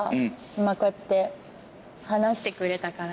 今こうやって話してくれたから。